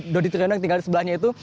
dodi triyono yang tinggal di sebelahnya itu